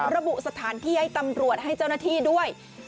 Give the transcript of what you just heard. ระบุสถานที่ให้ตำรวจให้เจ้าหน้าที่ด้วย